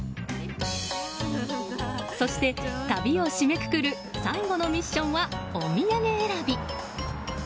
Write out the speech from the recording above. そして、旅を締めくくる最後のミッションはお土産選び。